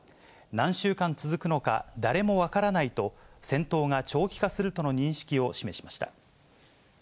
何週間続くのか、誰も分からないと、戦闘が長期化するとの認識を示しました。